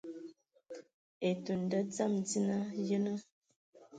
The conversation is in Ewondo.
Etun nda dzam dzina, yenə.